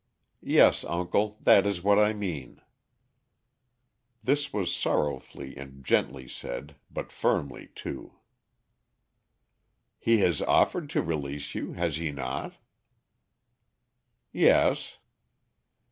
"Yes, uncle, that is what I mean." This was sorrowfully and gently said, but firmly too. "He has offered to release you; has he not?" "Yes."